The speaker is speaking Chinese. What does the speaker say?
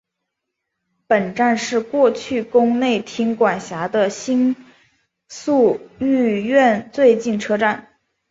本站是过去宫内厅管辖的新宿御苑最近车站。